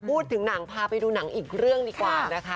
พูดถึงหนังพาไปดูหนังอีกเรื่องดีกว่านะคะ